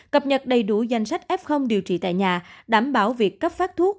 cập nhật đầy đủ danh sách f điều trị tại nhà đảm bảo việc cấp phát thuốc